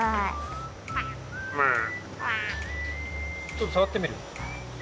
ちょっとさわってみる？